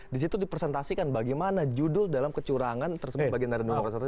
di situ dipresentasikan bagaimana judul dalam kecurangan tersebut bagi naradun raksasa